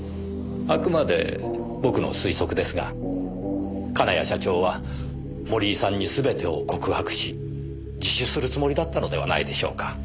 あくまで僕の推測ですが金谷社長は森井さんにすべてを告白し自首するつもりだったのではないでしょうか。